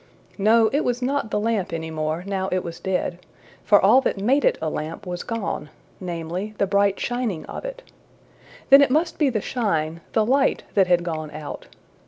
No, it was not the lamp anymore now it was dead, for all that made it a lamp was gone, namely, the bright shining of it. Then it must be the shine, the light, that had gone out!